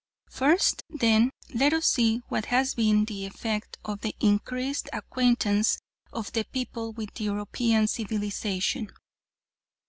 First, then, let us see what has been the effect of the increased acquaintance of the people with European civilisation.